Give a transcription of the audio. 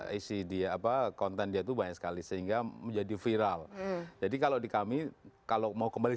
isi dia apa konten dia itu banyak sekali sehingga menjadi viral jadi kalau di kami kalau mau kembali